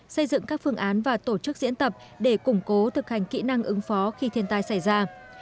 xây dựng các phương án và tổ chức diễn tập để củng cố thực hành kỹ năng ứng phó khi thiên tai xảy ra